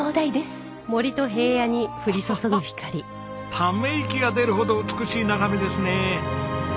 ため息が出るほど美しい眺めですね。